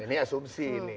ini asumsi ini